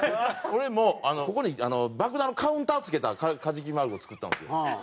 俺もここに爆弾のカウンター付けたカジキマグロ作ったんですよ。